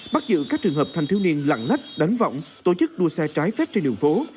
bắt giữ các trường hợp thanh thiếu niên lặng lách đánh vọng tổ chức đua xe trái phép trên đường phố